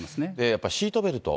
やっぱシートベルト。